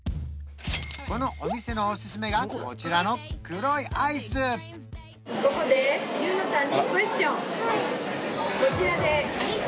このお店のおすすめがこちらの黒いアイス優乃ちゃん